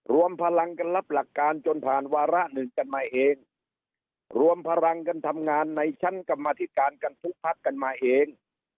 รวมพลังกันรับหลักการจนผ่านวาระหนึ่งกันมาเองรวมพลังกันทำงานในชั้นกรรมธิการกันทุกพักกันมาเอง